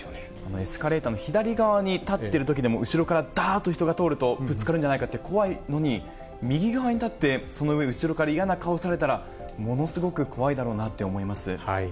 エスカレーターの左側に立っているときでも、後ろからだーっと人が通ると、ぶつかるんじゃないかって怖いのに、右側に立ってその上、後ろから嫌な顔されたらものすごく怖いだろうなって思います。